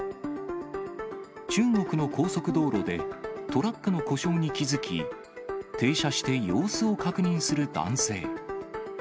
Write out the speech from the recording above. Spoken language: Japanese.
中国の高速道路で、トラックの故障に気付き、停車して様子を確認する男性。